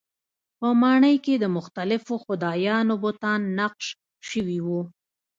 په ماڼۍ کې د مختلفو خدایانو بتان نقش شوي وو.